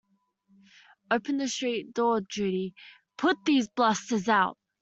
Open the street door, Judy; put these blusterers out!